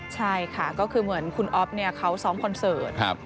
ใช่ค่ะก็คือเหมือนคุณอคเนี่ยเขาซ้อมคอนเสิร์ตครับ